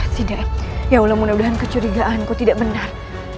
tidak ya allah mudah mudahan kecurigaanku tidak benar